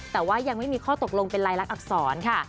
แต่ว่ายังไม่มีข้อตกลงเป็นลายลักษรค่ะ